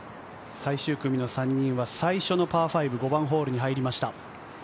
最終組の３人は最初のパー５、５番に入りました。